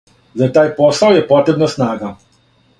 За тај посао је потребна снага.